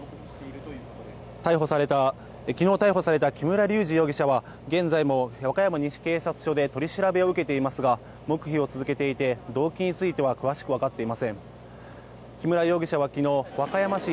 昨日逮捕された木村隆二容疑者は現在も和歌山西警察署で取り調べを受けていますが黙秘を続けていて動機については詳しくわかっていません。